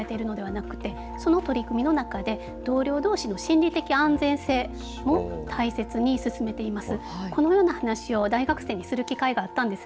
私たちは業務を改善することだけを考えているのではなくてその取り組みの中で同僚どうしの心理的安全性も大切に進めています。